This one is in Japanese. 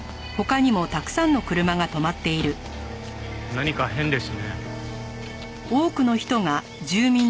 何か変ですね。